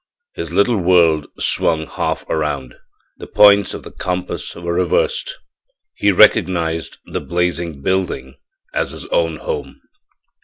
His little world swung half around; the points of the compass were reversed. He recognized the blazing building as his own home!